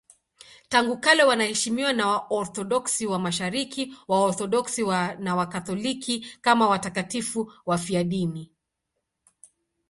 Tangu kale wanaheshimiwa na Waorthodoksi wa Mashariki, Waorthodoksi na Wakatoliki kama watakatifu wafiadini.